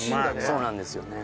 そうなんですよね。